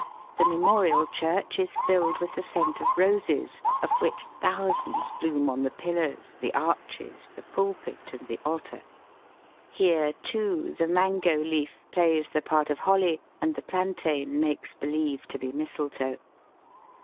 The Memorial Church is filled with the scent of roses, of which thou sands bloom on the piUars, the arches, the pulpit, and the altar. Here, too, the mango leaf plays the part of holly, and the plantain makes beheve to be mistletoe.